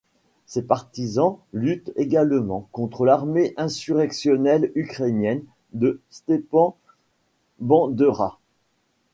Ces partisans luttent également contre l'Armée insurrectionnelle ukrainienne de Stepan Bandera.